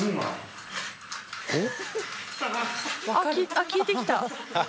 あっ効いてきた。